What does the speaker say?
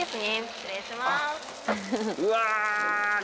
失礼します。